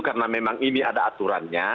karena memang ini ada aturannya